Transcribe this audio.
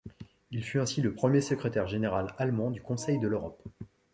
Il fut ainsi le premier secrétaire général allemand du conseil de l'Europe.